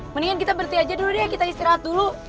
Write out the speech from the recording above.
mendingan kita berhenti aja dulu deh kita istirahat dulu